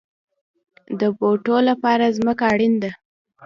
د بوټو لپاره ځمکه اړین ده